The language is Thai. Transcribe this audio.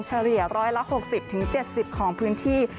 เฉลี่ย๑๖๐๗๐ของพื้นที่